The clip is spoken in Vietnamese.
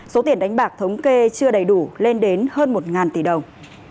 số tiền đánh bạc thống kê chưa đầy đủ lên đến hơn một tỷ đồng